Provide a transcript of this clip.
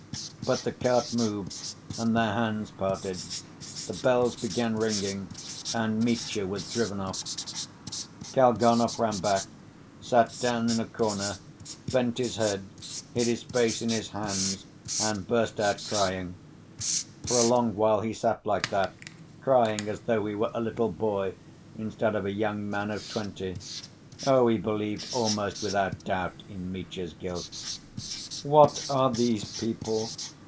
But the cart moved and their hands parted. The bell began ringing and Mitya was driven off. Kalganov ran back, sat down in a corner, bent his head, hid his face in his hands, and burst out crying. For a long while he sat like that, crying as though he were a little boy instead of a young man of twenty. Oh, he believed almost without doubt in Mitya's guilt. "What are these people?